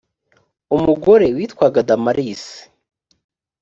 umugore witwaga damarisi